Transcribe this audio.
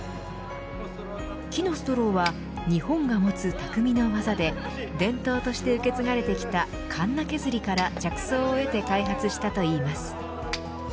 木のストローは日本が持つ匠の技で伝統として受け継がれてきたカンナ削りから着想を得て開発したといいます。